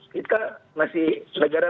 kita masih negara